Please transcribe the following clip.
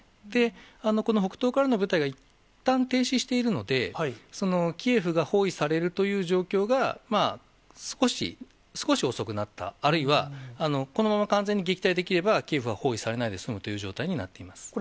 で、この北東からの部隊が、いったん停止しているので、キエフが包囲されるという状況が、少し遅くなった、あるいは、このまま完全に撃退できれば、キエフは包囲されないで済むという状態になっています。